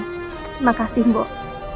terima kasih mbok